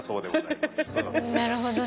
なるほどね。